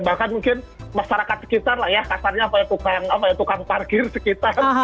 bahkan mungkin masyarakat sekitar lah ya kasarnya tukang parkir sekitar